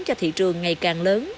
cho thị trường ngày càng lớn